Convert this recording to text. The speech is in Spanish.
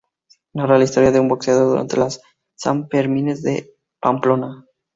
Narra la historia de un boxeador durante los Sanfermines de Pamplona.